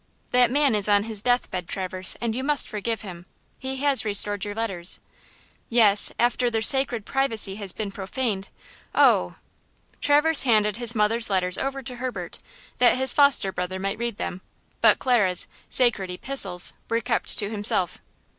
"That man is on his deathbed, Traverse, and you must forgive him! He has restored your letters." "Yes, after their sacred privacy has been profaned! Oh!" Traverse handed his mother's letters over to Herbert, that his foster brother might read them, but Clara's "sacred epistles" were kept to himself.